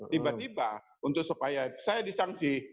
tiba tiba untuk supaya saya disangsi